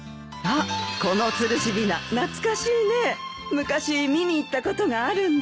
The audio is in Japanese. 昔見に行ったことがあるんだよ。